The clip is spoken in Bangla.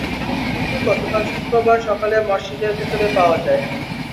হত্যার হুমকি দিয়ে লেখা চিঠিটি গতকাল শুক্রবার সকালে মসজিদের ভেতরে পাওয়া যায়।